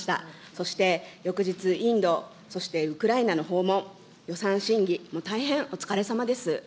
そして、翌日インド、そしてウクライナの訪問、予算審議、大変お疲れ様です。